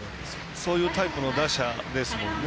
そういうタイプの打者ですもんね。